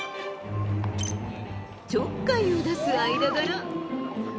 ちょっかいを出す間柄。